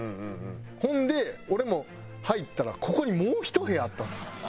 ほんで俺も入ったらここにもう１部屋あったんです。